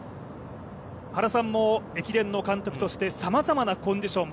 原さんも駅伝の監督として、さまざまなコンディション